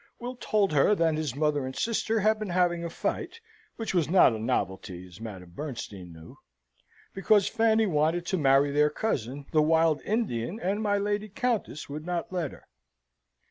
Will told her that his mother and sister had been having a fight (which was not a novelty, as Madame Bernstein knew), because Fanny wanted to marry their cousin, the wild Indian, and my lady Countess would not let her.